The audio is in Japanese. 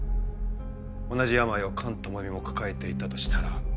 同じ病を菅朋美も抱えていたとしたら。